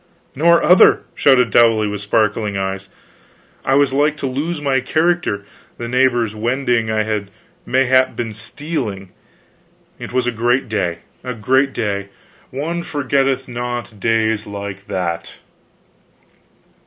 "Nor other!" shouted Dowley, with sparkling eyes. "I was like to lose my character, the neighbors wending I had mayhap been stealing. It was a great day, a great day; one forgetteth not days like that."